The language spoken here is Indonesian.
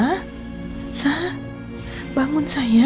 dia boleh penggil orang saya